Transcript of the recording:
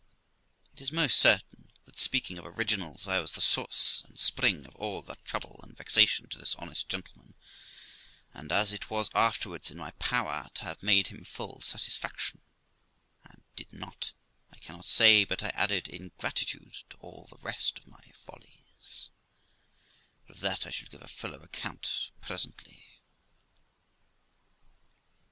It is most certain that, speaking of originals, I was the source and spring of all that trouble and vexation to this honest gentleman; and, as it was afterwards in my power to have made him full satisfaction, and did not, I cannot say but I added ingratitude to all the rest of my follies; but of that I shall give a fuller account presently.